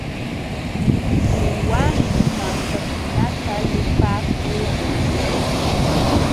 Mituwanmi mankakunata lupaakulqa.